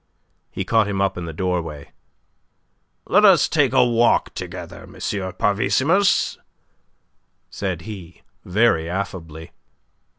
He caught him up in the doorway. "Let us take a walk together, M. Parvissimus," said he, very affably.